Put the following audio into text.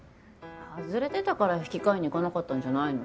ハズレてたから引き換えに行かなかったんじゃないの？